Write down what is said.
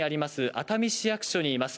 熱海市役所にいます。